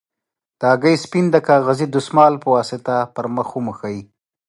د هګۍ سپین د کاغذي دستمال په واسطه پر مخ وموښئ.